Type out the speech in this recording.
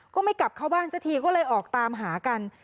ก็ไม่กลับเข้าบ้านสักทีก็เลยออกตามหากัน